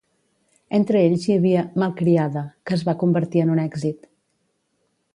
Entre ells hi havia "Malcriada", que es va convertir en un èxit.